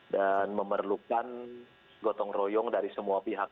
dan memerlukan gotong royong dari semua pihak